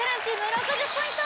６０ポイント